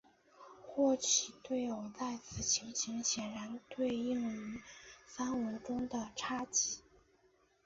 霍奇对偶在此情形显然对应于三维中的叉积。